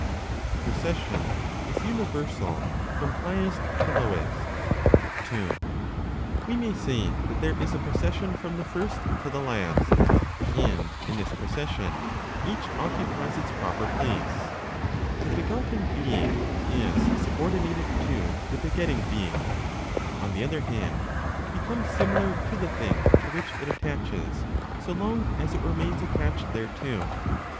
PROCESSION IS UNIVERSAL FROM HIGHEST TO LOWEST. 2. We may say that there is a procession from the First to the last; and in this procession each occupies its proper place. The begotten (being) is subordinated to the begetting (being). On the other hand, it becomes similar to the thing to which it attaches, so long as it remains attached thereto.